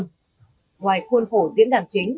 ngoài khuôn khổ diễn đàn chính